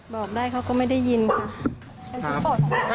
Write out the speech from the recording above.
บอกได้เขาก็ไม่ได้ยินค่ะ